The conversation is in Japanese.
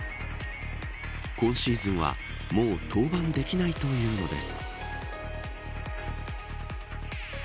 今シーズンはもう登板できないというのです。